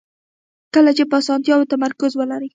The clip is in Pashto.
کله چې په اسانتیاوو تمرکز ولرئ.